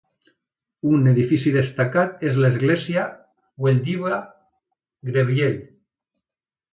Un edifici destacat és l'església Weldiya Gebri'el.